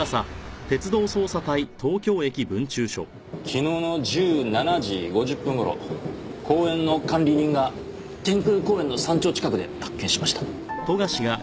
昨日の１７時５０分頃公園の管理人が天空公園の山頂近くで発見しました。